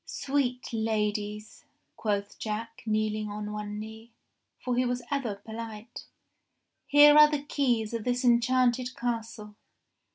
*' Sweet ladies," quoth Jack kneeling on one knee — for he was ever polite — *'here are the keys of this enchanted castle.